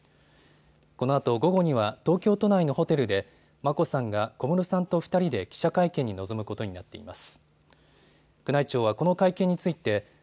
このあと午後には東京都内のホテルで眞子さんが小室さんと２人で記者会見に臨むことになっています。